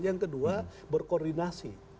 yang kedua berkoordinasi